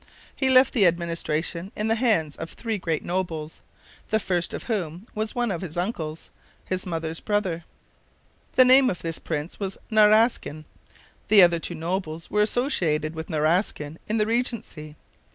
He left the administration in the hands of three great nobles, the first of whom was one of his uncles, his mother's brother. The name of this prince was Naraskin. The other two nobles were associated with Naraskin in the regency.